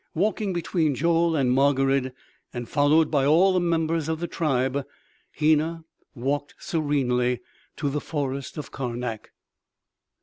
Walking between Joel and Margarid, and followed by all the members of the tribe, Hena walked serenely to the forest of Karnak.